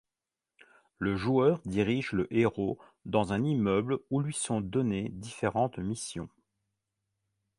Le joueur dirige le héros dans un immeuble où lui sont données différentes missions.